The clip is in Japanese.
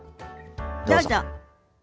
どうぞ。